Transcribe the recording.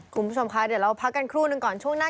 คุณผู้ชมคะเดี๋ยวเราพักกันครู่หนึ่งก่อนช่วงหน้า